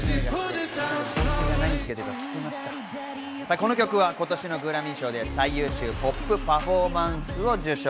この曲は今年のグラミー賞で、最優秀ポップ・パフォーマンスを受賞。